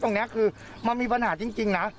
ตรงนี้คือมันมีปัญหาจริงนะ